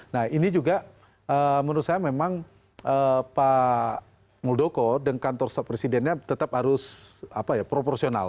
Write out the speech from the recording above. nah ini juga menurut saya memang pak muldoko dan kantor presidennya tetap harus proporsional